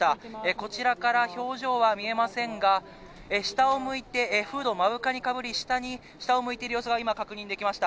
こちらから表情は見えませんが、下を向いてフードを目深にかぶり、下を向いている様子が今、確認できました。